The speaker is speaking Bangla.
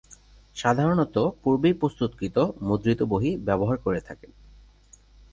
সাধারণত পূর্বেই প্রস্তুতকৃত মুদ্রিত বহি ব্যবহার করে থাকেন।